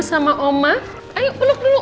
sama oma ayo peluk dulu